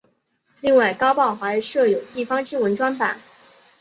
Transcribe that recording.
另外该报还设有地方新闻专版。